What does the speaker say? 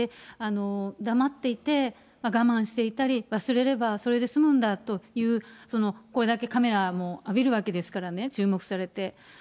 黙っていて、我慢していたり、忘れれば、それで済むんだという、その、これだけカメラも浴びるわけですからね、注目されて。